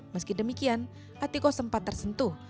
meski demikian atiko sempat tersentuh